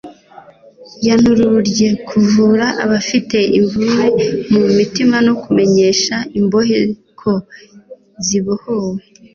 Yantururye kuvura abafite imvurue mu mitima no kumenyesha imbohe ko zibohowe